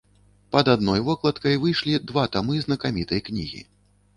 Пад адной вокладкай выйшлі два тамы знакамітай кнігі.